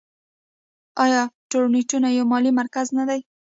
آیا تورنټو یو مالي مرکز نه دی؟